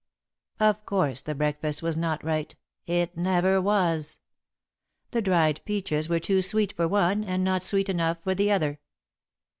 Of course the breakfast was not right it never was. The dried peaches were too sweet for one and not sweet enough for the other.